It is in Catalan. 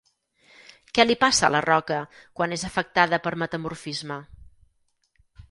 Què li passa a la roca quan és afectada per metamorfisme?